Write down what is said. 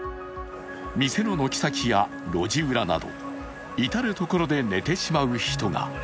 店の軒先や路地裏など至る所で寝てしまう人が。